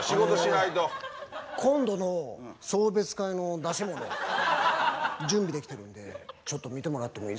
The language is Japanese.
あの今度の送別会の出し物準備できてるんでちょっと見てもらってもいいですか。